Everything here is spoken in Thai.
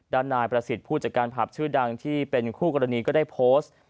ด้านนายประสิทธิ์ผู้จัดการผับชื่อดังที่เป็นคู่กรณีก็ได้โพสต์